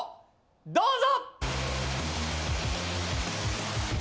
どうぞ！